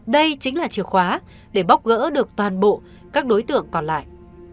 đây chính là chìa khóa để bóc gỡ được toàn bộ các đối tượng còn lại